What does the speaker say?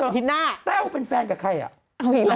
ถามเถอะแต้วเป็นแฟนกับใครอะ